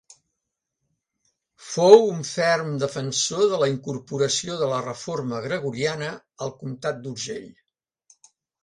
Fou un ferm defensor de la incorporació de la reforma gregoriana al comtat d'Urgell.